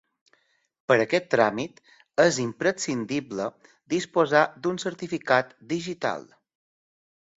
Per aquest tràmit és imprescindible disposar d'un certificat digital.